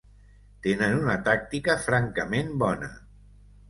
Tenen una tàctica francament bona.